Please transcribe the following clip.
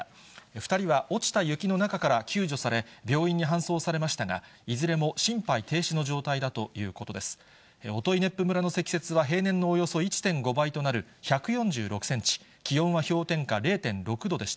２人は落ちた雪の中から救助され、病院に搬送されましたが、いずれも心肺停止の状態だということです。